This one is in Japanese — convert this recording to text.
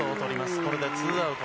これでツーアウト。